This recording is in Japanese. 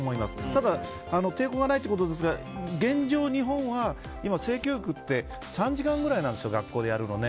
ただ、抵抗がないってことですが現状、日本は性教育って３時間ぐらいなんです年間、学校でやるの。